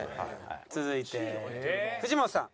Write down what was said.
続いて藤本さん。